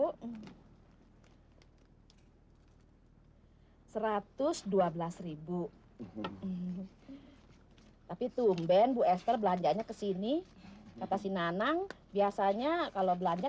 hai satu ratus dua belas tapi tumben bu esther belanjanya kesini kata si nanang biasanya kalau belanja